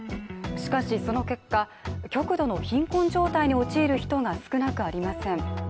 しかしその結果、極度の貧困状態に陥る人が少なくありません。